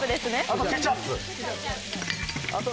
あとケチャップあと